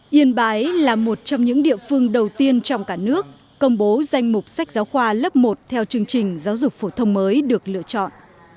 yên bái là một trong những địa phương đầu tiên trong cả nước công bố danh mục sách giáo khoa lớp một theo chương trình giáo dục phổ thông mới được lựa chọn